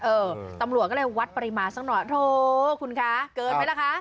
เออตำรวจก็เลยวัดปริมาณสักหน่อยโถคุณคะเกินไหมล่ะคะ